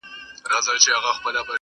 ډېر پخوا سره ټول سوي ډېر مرغان وه؛